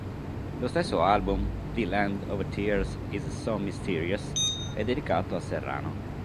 Lo stesso album "The Land of Tears is so Mysterious" è dedicato a Serrano.